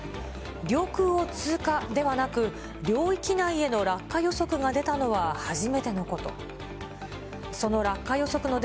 領空を通過ではなく、領域内への落下予測が出たのは初めてのこと。